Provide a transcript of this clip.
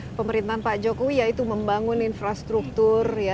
visi misi pemerintahan pak jokowi yaitu membangun infrastruktur